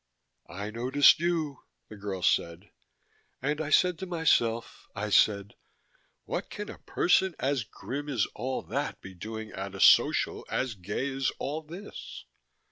"I noticed you," the girl said. "And I said to myself, I said: 'What can a person as grim as all that be doing at a Social as gay as all this?'